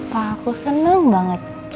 pak aku seneng banget